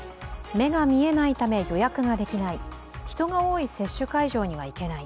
目が見えないため予約ができない、人が多い接種会場には行けない。